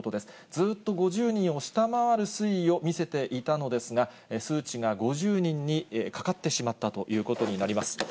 ずっと５０人を下回る推移を見せていたのですが、数値が５０人にかかってしまったということになります。